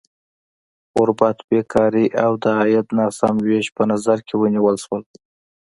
غربت، بېکاري او د عاید ناسم ویش په نظر کې ونیول شول.